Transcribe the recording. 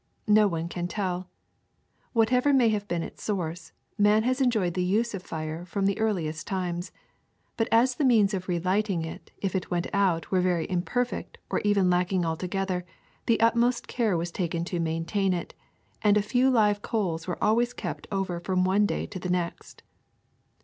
No one can tell. What ever may have been its source, man has enjoyed the use of fire from the earliest times ; but as the means of relighting it if it went out were very imperfect or even lacking altogether, the utmost care was taken to maintain it, and a few live coals were always kept over from one day to the next.